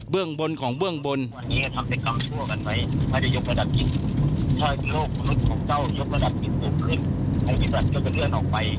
เบื้องบนของเบื้องบน